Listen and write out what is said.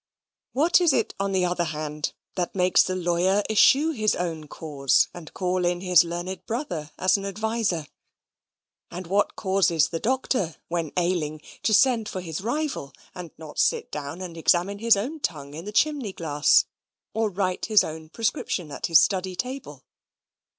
What is it, on the other hand, that makes the lawyer eschew his own cause, and call in his learned brother as an adviser? And what causes the doctor, when ailing, to send for his rival, and not sit down and examine his own tongue in the chimney glass, or write his own prescription at his study table?